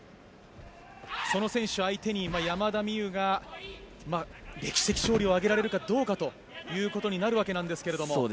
その選手相手に山田美諭が歴史的勝利を挙げられるかどうかということなんですけれども。